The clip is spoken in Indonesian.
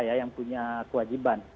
yang punya kewajiban